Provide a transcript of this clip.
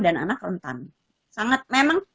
dan anak rentan sangat memang